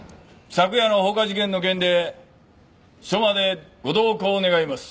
昨夜の放火事件の件で署までご同行願います。